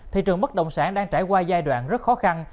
thị trường bất động sản đang trải qua giai đoạn rất khó khăn